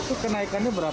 itu kenaikannya berapa